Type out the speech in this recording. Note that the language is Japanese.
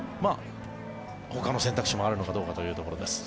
ほかの選択肢もあるのかどうかというところです。